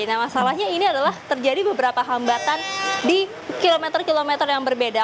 nah masalahnya ini adalah terjadi beberapa hambatan di kilometer kilometer yang berbeda